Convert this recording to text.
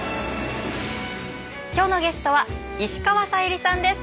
今日のゲストは石川さゆりさんです。